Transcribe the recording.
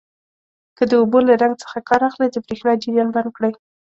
که د اوبو له رنګ څخه کار اخلئ د بریښنا جریان بند کړئ.